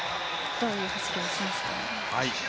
どういう走りをしますかね。